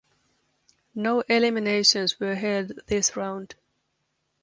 No eliminations were held this round.